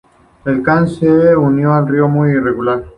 El Kan es un río muy irregular.